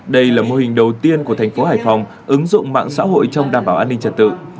đây là mô hình đầu tiên của thành phố hải phòng ứng dụng mạng xã hội trong đảm bảo an ninh trật tự